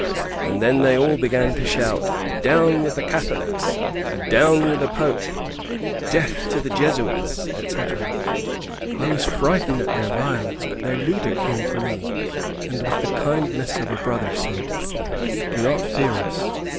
And then they all began to shout, "Down with the Catholics! Down with the Pope! Death to the Jesuits! etc." I was frightened at their violence, but their leader came to me, and with the kindness of a brother, said, "Do not fear us.